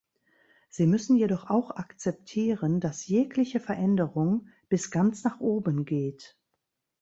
Sie müssen jedoch auch akzeptieren, dass jegliche Veränderung bis ganz nach oben geht.